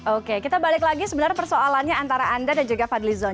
oke kita balik lagi sebenarnya persoalannya antara anda dan juga fadlizon